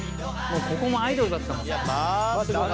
もうここもアイドルだったもん。